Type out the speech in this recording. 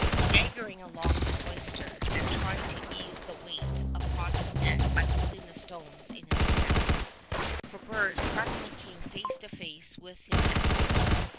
Staggering along the cloister, and trying to ease the weight upon his neck by holding the stones in his hands, Frobert suddenly came face to face with his Abbot.